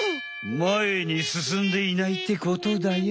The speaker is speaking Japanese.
まえにすすんでいないってことだよ。